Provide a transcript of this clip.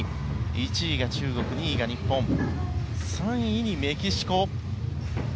１位が中国、２位が日本３位にメキシコ。